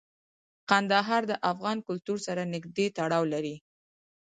کندهار د افغان کلتور سره نږدې تړاو لري.